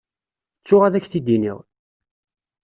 Ttuɣ ad ak-t-id-iniɣ.